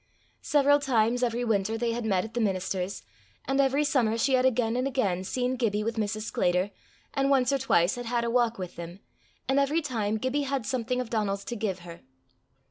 Several times every winter they had met at the minister's, and every summer she had again and again seen Gibbie with Mrs. Sclater, and once or twice had had a walk with them, and every time Gibbie had something of Donal's to give her.